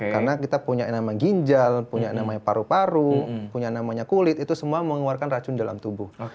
karena kita punya namanya ginjal punya namanya paru paru punya namanya kulit itu semua mengeluarkan racun dalam tubuh